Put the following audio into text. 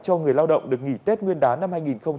cho người lao động được nghỉ tết nguyên đán năm hai nghìn hai mươi